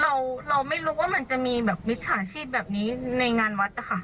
เราเราไม่รู้ว่ามันจะมีแบบมิจฉาชีพแบบนี้ในงานวัดนะคะ